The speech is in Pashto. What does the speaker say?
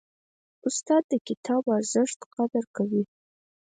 استاد د کتاب د ارزښت قدر کوي.